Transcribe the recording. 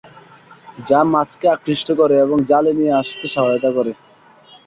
যা মাছকে আকৃষ্ট করে এবং জালে নিয়ে আসতে সহায়তা করে।